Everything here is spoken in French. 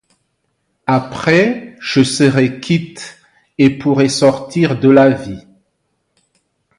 Après, je serai quitte, et pourrai sortir de la vie.